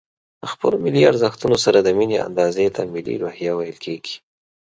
د خپلو ملي ارزښتونو سره د ميني اندازې ته ملي روحيه ويل کېږي.